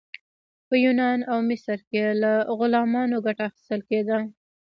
په یونان او مصر کې له غلامانو ګټه اخیستل کیده.